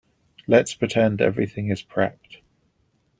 Let's pretend everything is prepped.